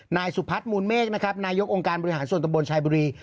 นายสุพัฒน์มูลเมฆนะครับนายกองค์การบริหารส่วนตำบลชายบุรี